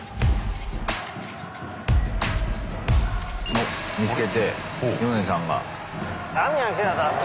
おっ見つけてヨネさんが。